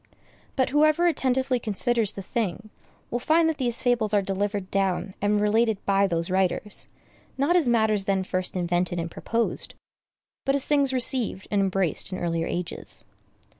But whoever attentively considers the thing, will find that these fables are delivered down and related by those writers, not as matters then first invented and proposed, but as things received and embraced in earlier ages.